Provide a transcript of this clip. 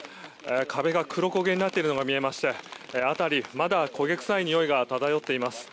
壁が黒焦げになっているのが見えまして辺り、まだ焦げ臭いにおいが漂っています。